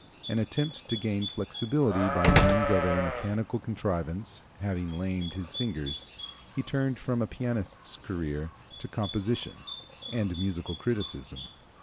An attempt to gain flexibility by means of a mechanical contrivance having lamed his fingers, he turned from a pianist's career to composition and musical criticism.